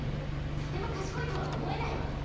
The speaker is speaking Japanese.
とても賢いとは思えないわ。